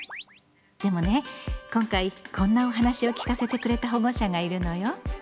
でもね今回こんなお話を聞かせてくれた保護者がいるのよ。